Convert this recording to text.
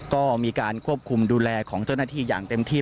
ก็มีการควบคุมดูแลของเจ้าหน้าที่อย่างเต็มที่